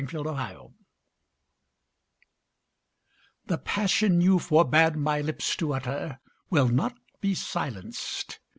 FORBIDDEN SPEECH The passion you forbade my lips to utter Will not be silenced.